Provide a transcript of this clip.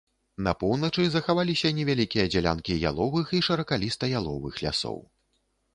На поўначы захаваліся невялікія дзялянкі яловых і шыракаліста-яловых лясоў.